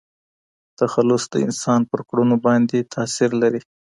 تخلص د انسان پر کړنو باندي تاثير لري.